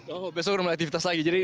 oh besok udah mulai aktivitas lagi